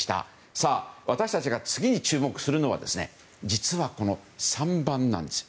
さあ、私たちが次に注目するのは実は３番なんです。